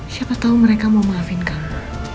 siapa tahu mereka mau maafin kamu